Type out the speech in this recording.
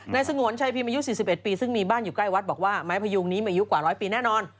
สงวนชัยพิมพ์อายุ๔๑ปีซึ่งมีบ้านอยู่ใกล้วัดบอกว่าไม้พยุงนี้มีอายุกว่าร้อยปีแน่นอน